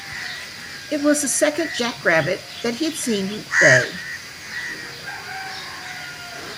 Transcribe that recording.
It was the second jack rabbit that he had seen day.